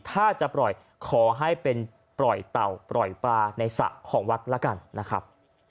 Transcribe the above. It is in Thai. ถ้าจะปล่อยขอให้เป็นปล่อยเต่าปล่อยปลาในสระของวัดแล้วกันนะครับ